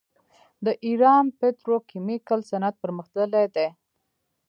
د ایران پتروکیمیکل صنعت پرمختللی دی.